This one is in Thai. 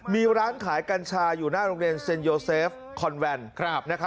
มีร้านขายกัญชาอยู่หน้าโรงเรียนเซ็นโยเซฟคอนแวน